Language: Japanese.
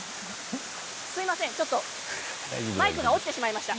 すみません、ちょっとマイクが落ちてしまいました。